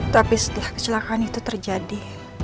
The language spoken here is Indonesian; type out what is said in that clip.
tapi setelah kecelakaan itu terjadi